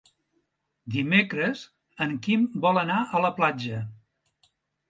Dimecres en Quim vol anar a la platja.